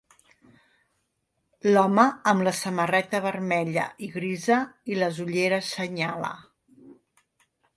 L'home amb la samarreta vermella i grisa i les ulleres senyala.